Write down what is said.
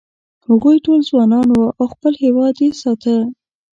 هغوی ټول ځوانان و او خپل هېواد یې ساته.